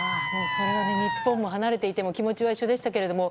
日本を離れていても気持ちは一緒でしたけれども。